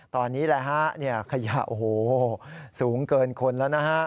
ตอนนี้แหละฮะขยะโอ้โหสูงเกินคนแล้วนะฮะ